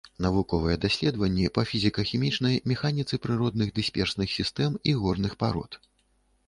Навуковыя даследаванні па фізіка-хімічнай механіцы прыродных дысперсных сістэм і горных парод.